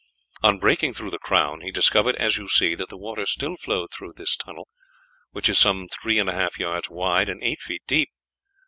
"On breaking through the crown he discovered, as you see, that the water still flowed through this tunnel, which is some three and a half yards wide and eight feet deep.